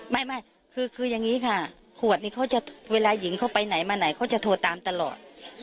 ไม่คืออย่างนี้ค่ะขวดนี้เขาจะเวลาหญิงเขาไปไหนมาไหนเขาจะโทรตามตลอด